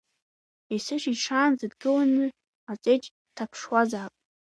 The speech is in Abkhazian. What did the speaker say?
Есышьыжь шаанӡа дгыланы аҵеџь дҭаԥшуазаап…